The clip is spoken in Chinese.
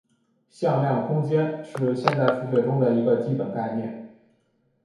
向量空间是现代数学中的一个基本概念。